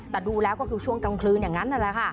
แต่ดูแล้วก็คือช่วงกลางคืนอย่างนั้นนั่นแหละค่ะ